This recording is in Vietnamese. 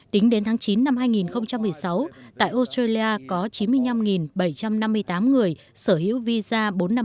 tính đến tháng chín năm hai nghìn một mươi sáu tại australia có chín mươi năm bảy trăm năm mươi tám người sở hữu visa bốn trăm năm mươi